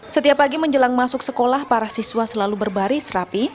setiap pagi menjelang masuk sekolah para siswa selalu berbaris rapi